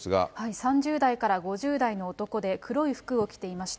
３０代から５０代の男で、黒い服を着ていました。